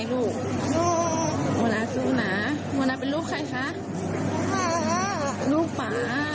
ลูกหมาลูกหมา